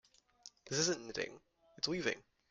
This isn't knitting, its weaving.